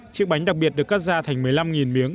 chiếc bánh đặc biệt được cắt ra thành một mươi năm miếng